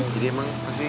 jadi emang masih